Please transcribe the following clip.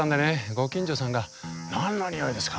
ご近所さんが「何の匂いですか？